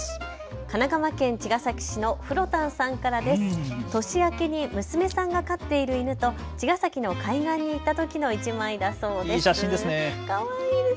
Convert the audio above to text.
神奈川県茅ヶ崎市のふろたんさんからです。